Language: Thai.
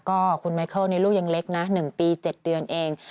ก็คุณไมเคิลลูกยังเล็กนะ๑ปี๗เดือนเอง